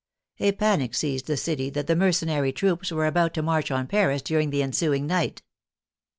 A panic seized the city that the mercenary troops were about to march on Paris during the ensuing night.